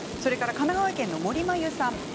神奈川県の方です。